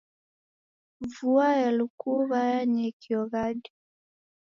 Vua ya lukuw'a yanyee kio ghadi.